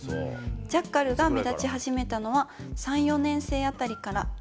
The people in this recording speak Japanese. ジャッカルが目立ち始めたのは、３、４年生あたりから。